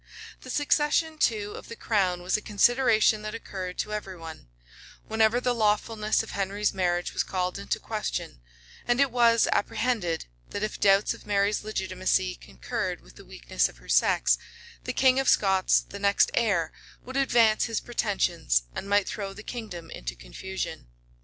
The succession, too, of the crown was a consideration that occurred to every one, whenever the lawfulness of Henry's marriage was called in question; and it was apprehended, that if doubts of Mary's legitimacy concurred with the weakness of her sex, the king of Scots, the next heir, would advance his pretensions, and might throw the kingdom into confusion.